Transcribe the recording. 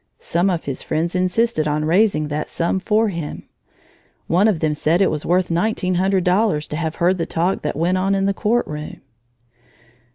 Some of his friends insisted on raising that sum for him. One of them said it was worth nineteen hundred dollars to have heard the talk that went on in the court room.